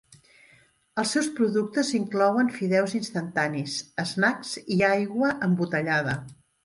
Els seus productes inclouen fideus instantanis, snacks i aigua embotellada.